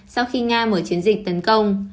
sau khi nga mở chiến dịch tấn công